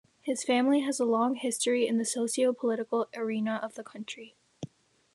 His family has a long history in the socio-political arena of the country.